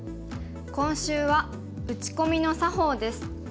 今週は「打ち込みの作法」です。